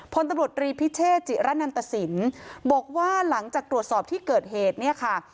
พลตำรวจรีพิเชษจิระนันตสินบอกว่าหลังจากตรวจสอบที่เกิดเหตุเนี่ยค่ะ